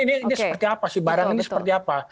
ini seperti apa sih barang ini seperti apa